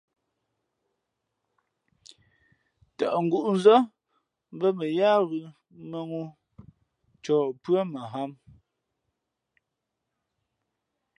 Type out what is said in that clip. Tαʼ ngǔʼnzά mbᾱ mα yáá ghʉ̌ mάŋū ncɔ pʉ́ά ghǎm.